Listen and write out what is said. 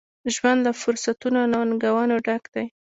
ژوند له فرصتونو ، او ننګونو ډک دی.